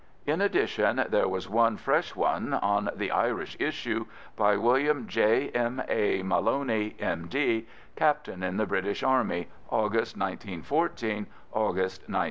In addition, there was one fresh one on "The Irish Issue," by William J. M. A. Maloney, M.D., captain in the British Army, August 1914 August 1916.